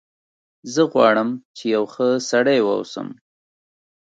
زه غواړم چې یو ښه سړی و اوسم